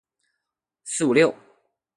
四五六